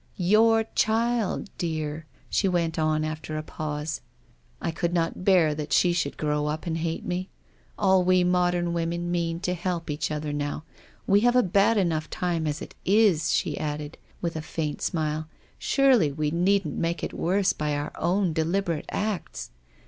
I love your baby, Vincent," she went on after a pause. " I should not like her to grow up and hate me. All. w& mod ern women mean to help each other now. We have a bad enough time as it is," she added" with* a faint smile ; a surely we needn't make it worse by our own deliberate acts